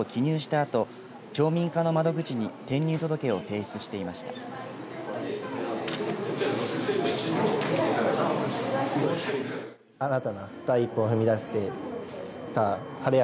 あと町民課の窓口に転入届を提出していました。